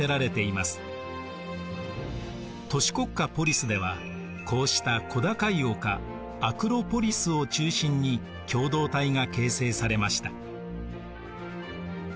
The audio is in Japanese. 都市国家ポリスではこうした小高い丘アクロポリスを中心に共同体が形成されました。